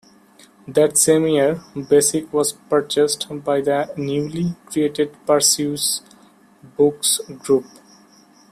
That same year, Basic was purchased by the newly created Perseus Books Group.